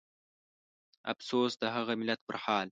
افسوس د هغه ملت پرحال